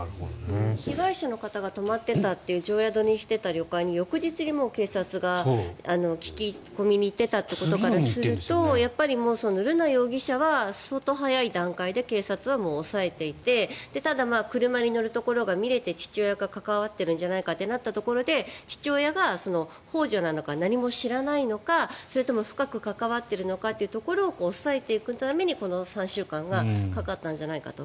被害者の方が止まっていたという常宿にしていた旅館に警察が翌日に聞き取りに行っていることからするとやっぱり瑠奈容疑者は相当早い段階で警察は抑えていてただ、車に乗るところが見られて父親が関わっているんじゃないかとなった中で父親がほう助なのか何も知らないのか、それとも深く関わっているのかを調べるためにこの３週間がかかったんじゃないかと。